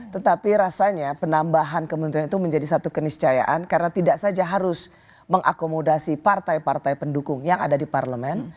tetapi rasanya penambahan kementerian itu menjadi satu keniscayaan karena tidak saja harus mengakomodasi partai partai pendukung yang ada di parlemen